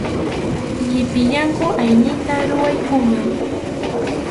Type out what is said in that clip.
Llipillayku aynita ruraykuman.